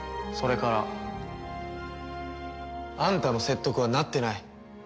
それからあんたの説得はなってない。